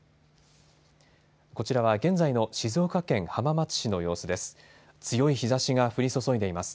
こちらは現在の静岡県浜松市の様子です。